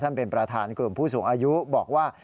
เป็นประธานกลุ่มผู้สูงอายุบอกว่า